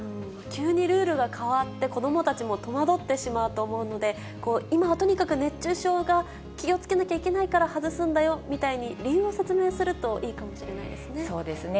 急にルールが変わって、子どもたちも戸惑ってしまうと思うので、今はとにかく、熱中症が気をつけなきゃいけないから外すんだよみたいに、理由を説明するといいかもしれないですね。